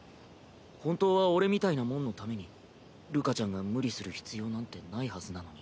本当は俺みたいな者のためにるかちゃんが無理する必要なんてないはずなのに。